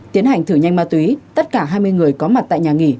tiến hành thử nhanh ma túy tất cả hai mươi người có mặt tại nhà nghỉ